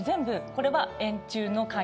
これは円柱の影